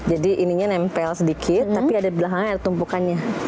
jadi ininya nempel sedikit tapi ada di belakangnya ada tumpukannya